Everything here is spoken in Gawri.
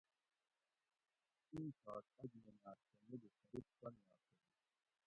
اِیں چھاٹ اگمیناۤر سہۤ میلی فرید کامیاب کۤری